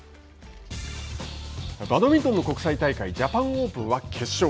バドミントンの国際大会ジャパンオープンは決勝。